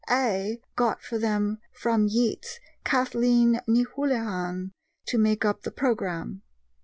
"Æ" got for them from Yeats Kathleen Ni Houlihan, to make up the programme.